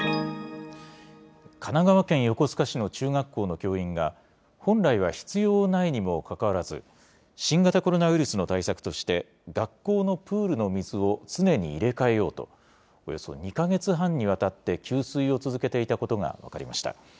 神奈川県横須賀市の中学校の教員が、本来は必要ないにもかかわらず、新型コロナウイルスの対策として、学校のプールの水を常に入れ替えようと、およそ２か月半にわたって、給水を続けていたことが分かりました。